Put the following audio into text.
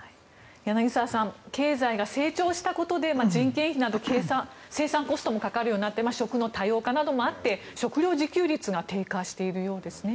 柳澤さん経済が成長したことで人件費など生産コストもかかるようになって食の多様化などもあって食料自給率が低下しているようですね。